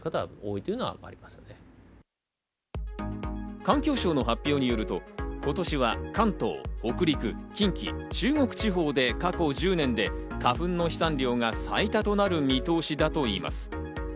環境省の発表によると、今年は関東、北陸、近畿、中国地方で過去１０年で花粉の飛散量が最多となる見通しだといいます。